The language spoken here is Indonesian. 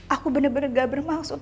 aku bener bener gak bermaksud